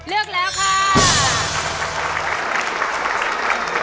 เลือกแล้วค่ะ